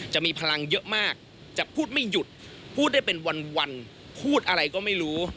จะมีพลังเยอะมากจะพูดไม่หยุดพูดได้เป็นวันพูดอะไรก็ไม่รู้